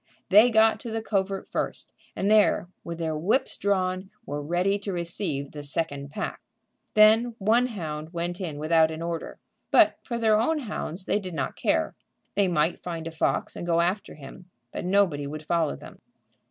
They got to the covert first, and there, with their whips drawn, were ready to receive the second pack. Then one hound went in without an order; but for their own hounds they did not care. They might find a fox and go after him, and nobody would follow them.